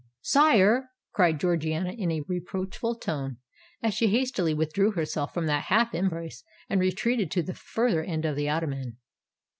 "Sire!" cried Georgiana in a reproachful tone, as she hastily withdrew herself from that half embrace, and retreated to the further end of the ottoman.